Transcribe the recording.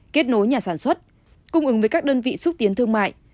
kết nối nhà sản xuất cung ứng với các đơn vị xúc tiến thương mại